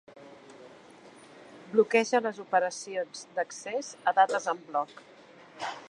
Bloqueja les operacions d'accés a dates en bloc.